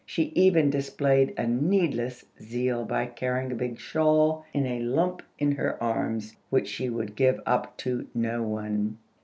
She even displayed a needless zeal by carrying a big shawl in a lump in her arms, which she would give up to no one.